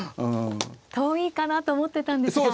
遠いかなと思ってたんですが。